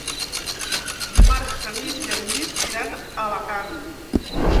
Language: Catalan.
Dimarts na Nit i en Guim iran a Alacant.